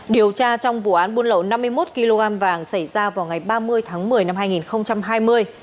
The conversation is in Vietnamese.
điều tra trong vụ án buôn lậu năm mươi một kg vàng xảy ra vào ngày ba mươi tháng một mươi năm hai nghìn hai mươi